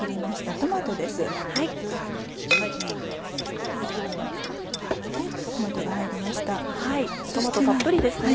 トマトたっぷりですね。